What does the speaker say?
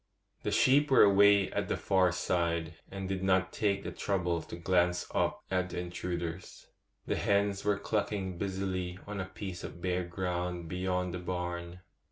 The sheep were away at the far side, and did not take the trouble to glance up at the intruders. The hens were clucking busily on a piece of bare ground beyond the barn.